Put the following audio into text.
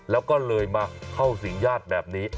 แล้วก็เลยมาเข้าสิ่งญาติแบบนี้